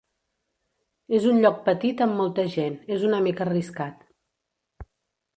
És un lloc petit amb molta gent, és una mica arriscat.